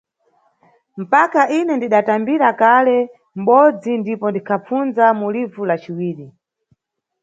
Mpaka ine ndidatambira kale mʼbodzi ndipo ndikhapfunza mu livu la ciwiri.